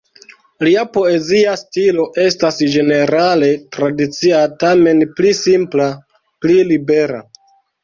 Lia poezia stilo estas ĝenerale tradicia, tamen pli simpla, pli libera.